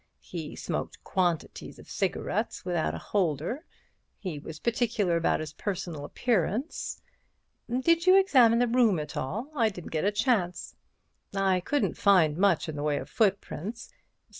He smoked quantities of cigarettes without a holder. He was particular about his personal appearance." "Did you examine the room at all? I didn't get a chance." "I couldn't find much in the way of footprints.